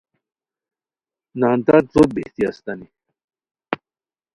نان تت ݱوت بیہتی استانی